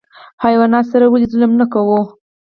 حیواناتو سره ولې ظلم نه کوو؟